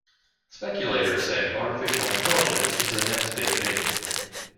Speculators say artificial intelligence is the next big thing.